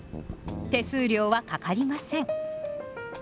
手数料はかかりません。